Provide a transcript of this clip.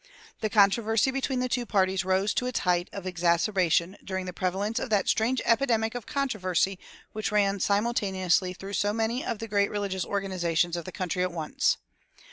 The controversy between the two parties rose to its height of exacerbation during the prevalence of that strange epidemic of controversy which ran simultaneously through so many of the great religious organizations of the country at once.